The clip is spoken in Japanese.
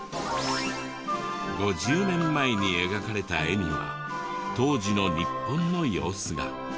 ５０年前に描かれた絵には当時の日本の様子が。